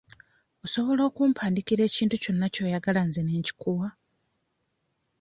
Osobola okumpandiikira ekintu kyonna ky'oyagala nze ne nkikuwa.